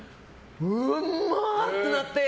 うんま！ってなって。